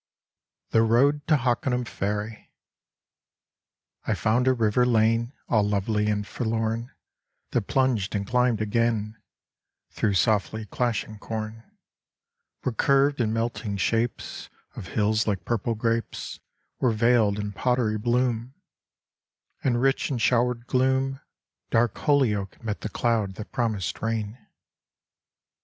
4 THE ROAD TO HOCKANUM FERRY I found a river lane All lovely and forlorn That plunged and climbed again Through softly clashing corn, Where curved and melting shapes Of hills like purple grapes Were veiled in powdery bloom ; And rich in showered gloom Dark Holyoke met the cloud that promised rain.